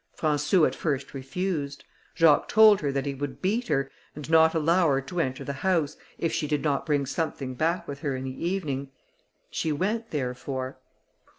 Françou at first refused; Jacques told her that he would beat her, and not allow her to enter the house, if she did not bring something back with her in the evening. She went, therefore.